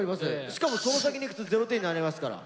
しかもその先に行くと０点になりますから。